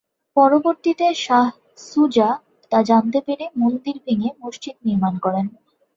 পরবর্তিতে শাহ সুজা তা জানতে পেরে মন্দির ভেঙে মসজিদ নির্মাণ করেন।